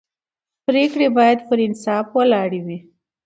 پرېکړې باید پر انصاف ولاړې وي